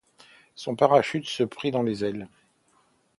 Son parachute se prit dans ses ailes.